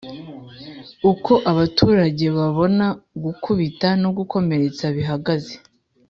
Uko abaturage babona gukubita no gukomeretsa bihagaze